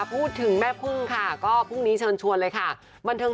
พูดถึงแม่พึ่งค่ะก็พรุ่งนี้เชิญชวนเลยค่ะบันเทิง